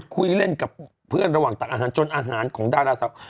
คุยเล่นกับเพื่อนระหว่างตักอาหารจนอาหารของดาราสาว